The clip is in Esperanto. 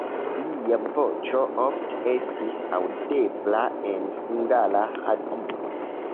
Lia voĉo ofte estis aŭdebla en Hungara Radio.